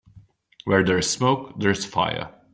Where there's smoke there's fire.